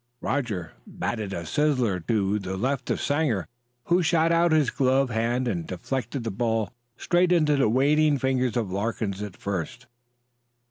Roger batted a sizzler to the left of Sanger, who shot out his gloved hand and deflected the ball straight into the waiting fingers of Larkins at first.